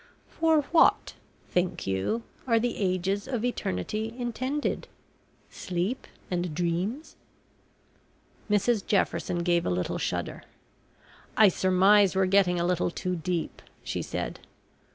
"For what, think you, are the ages of Eternity intended? sleep and dreams?" Mrs Jefferson gave a little shudder. "I surmise we're getting a little too deep," she said.